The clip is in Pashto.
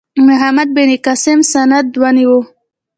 محمد بن قاسم سند ونیو.